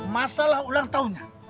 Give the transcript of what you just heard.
masalah ulang tahunnya